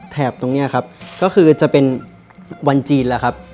แถบตรงนี้ครับก็คือจะเป็นวันจีนแล้วครับ